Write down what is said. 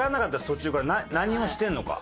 途中から何をしてるのか。